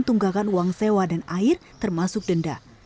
tunggakan uang sewa dan air termasuk denda